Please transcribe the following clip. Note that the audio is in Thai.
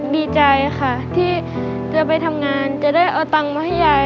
ดีใจค่ะที่จะไปทำงานจะได้เอาตังค์มาให้ยาย